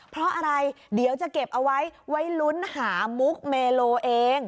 เพราะอะไรเดี๋ยวจะเก็บเอาไว้ไว้ลุ้นหามุกเมโลเอง